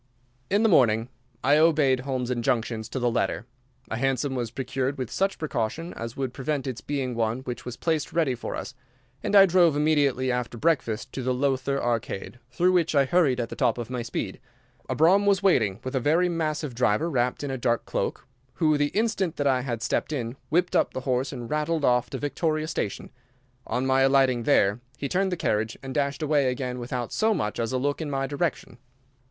In the morning I obeyed Holmes's injunctions to the letter. A hansom was procured with such precaution as would prevent its being one which was placed ready for us, and I drove immediately after breakfast to the Lowther Arcade, through which I hurried at the top of my speed. A brougham was waiting with a very massive driver wrapped in a dark cloak, who, the instant that I had stepped in, whipped up the horse and rattled off to Victoria Station. On my alighting there he turned the carriage, and dashed away again without so much as a look in my direction.